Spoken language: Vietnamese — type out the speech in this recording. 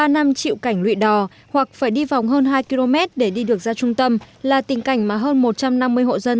ba năm chịu cảnh lụy đò hoặc phải đi vòng hơn hai km để đi được ra trung tâm là tình cảnh mà hơn một trăm năm mươi hộ dân